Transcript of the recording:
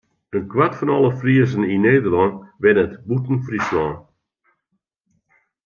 In kwart fan alle Friezen yn Nederlân wennet bûten Fryslân.